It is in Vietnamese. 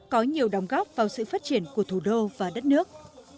có nhiều đóng góp vào sự phát triển của thủ đô và đất nước